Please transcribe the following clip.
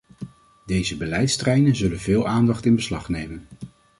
Deze beleidsterreinen zullen veel aandacht in beslag nemen.